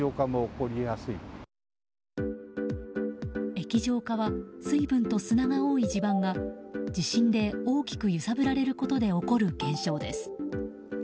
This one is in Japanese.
液状化は水分と砂が多い地盤が地震で大きく揺さぶられることで起こる現象です。